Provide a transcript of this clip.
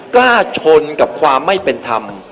กล้าชนกับความไม่เป็นธรรม